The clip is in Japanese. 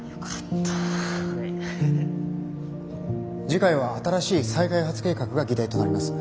次回は新しい再開発計画が議題となります。